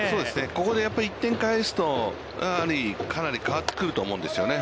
ここで１点返すと、かなり変わってくると思うんですよね。